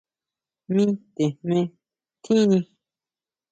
Mi te jme tjini.